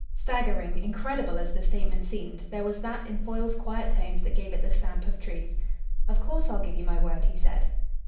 Staggering, incredible as the statement seemed, there was that in Foyle's quiet tones that gave it the stamp of truth. "Of course, I'll give you my word," he said.